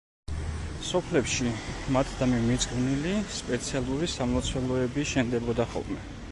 სოფლებში მათდამი მიძღვნილი სპეციალური სამლოცველოები შენდებოდა ხოლმე.